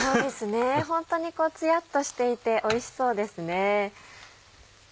ホントにつやっとしていておいしそうですね。